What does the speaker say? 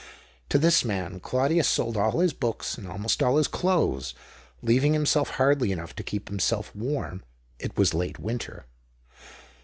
To this man Claudius sold all his books and almost all his clothes, leaving himself hardly enough to keep himself warm — it was late winter.